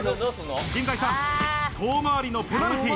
陣在さん、遠回りのペナルティー。